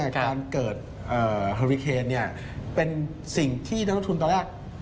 การเกิดฮาริเคนเป็นสิ่งที่นักลงทุนตอนแรก